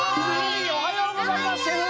おはようございますシェフ！